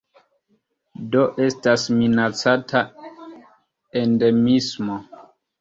Do estas minacata endemismo.